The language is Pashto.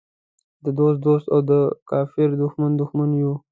د دوست دوست او د کافر دښمن دښمن یو.